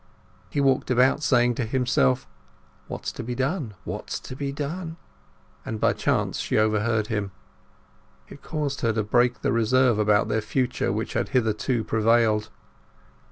He walked about saying to himself, "What's to be done—what's to be done?" and by chance she overheard him. It caused her to break the reserve about their future which had hitherto prevailed.